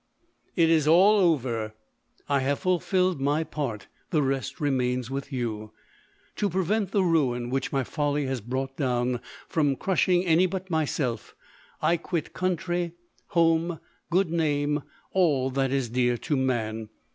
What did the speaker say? " It is all over: I have fulfilled my part — the rest remains with you. To prevent the ruin which my folly has brought down, from crushing any but myself, I quit country, home, good name — all that is dear to man.